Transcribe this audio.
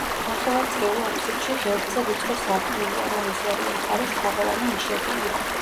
ნახევარწრიულ აფსიდში ღერძზე ვიწრო სარკმელია, რომლის ორივე მხარეს თაღოვანი ნიშებია.